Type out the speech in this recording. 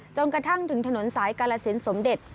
จนกระทั่งถึงถนนสายกาลสินสมเด็จ